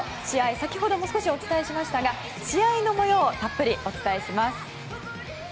先ほども少しお伝えしましたが試合の模様をたっぷりお伝えします。